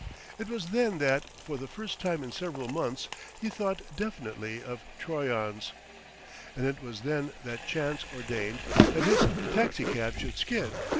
It was then that, for the first time in several months, he thought definitely of Troyon's. And it was then that Chance ordained that his taxicab should skid.